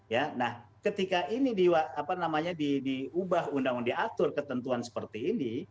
ya nah ketika ini di apa namanya diubah undang undang diatur ketentuan seperti ini